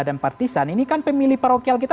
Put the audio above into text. dan partisan ini kan pemilih parokial kita